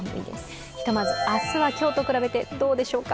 ひとまず、明日は今日と比べてどうでしょうか。